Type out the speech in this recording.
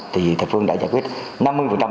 thì thầy phương đã giải quyết năm mươi của bệnh nhân